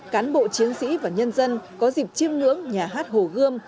cán bộ chiến sĩ và nhân dân có dịp chiêm ngưỡng nhà hát hồ gươm